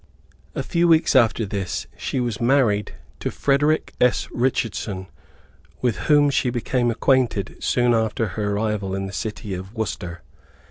A few weeks after this, she was married to Frederick S. Richardson with whom she became acquainted soon after her arrival in the city of Worcester.